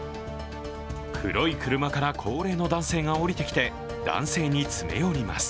黒い車から高齢の男性が降りてきて男性に詰め寄ります。